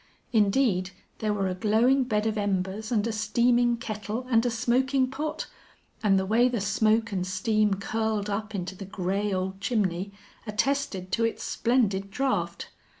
Indeed, there were a glowing bed of embers and a steaming kettle and a smoking pot; and the way the smoke and steam curled up into the gray old chimney attested to its splendid draught.